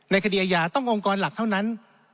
คดีอาญาต้ององค์กรหลักเท่านั้น